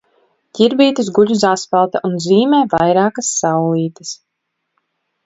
Ķirbītis guļ uz asfalta un zīmē vairākas saulītes.